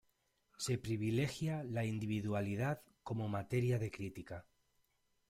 Se privilegia la individualidad como materia de crítica.